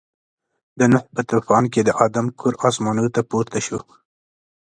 د نوح په طوفان کې د آدم کور اسمانو ته پورته شو.